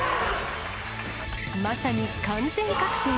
まさに完全覚醒。